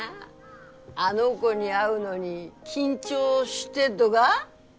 あの子に会うのに緊張してっとが？